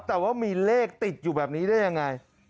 แต่ว่ามีเลขติดอยู่แบบนี้ได้ยังไง